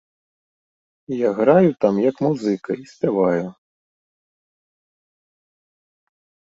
Я граю там як музыка і спяваю.